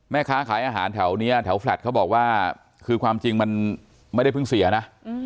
แม่ค้าขายอาหารแถวนี้แถวแฟลต์เขาบอกว่าคือความจริงมันไม่ได้เพิ่งเสียนะ